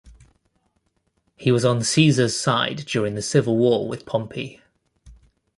He was on Caesar's side during the Civil War with Pompey.